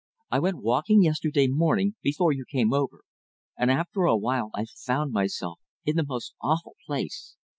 I went walking yesterday morning, before you came over, and after a while I found myself in the most awful place.